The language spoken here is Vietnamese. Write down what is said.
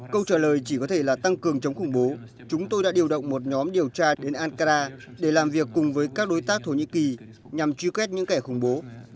câu trả lời chỉ có thể là tăng cường chống khủng bố chúng tôi đã điều động một nhóm điều tra đến ankara để làm việc cùng với các đối tác thổ nhĩ kỳ nhằm truy kết những kẻ khủng bố